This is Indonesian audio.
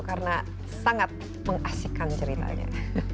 karena sangat mengasihkan ceritanya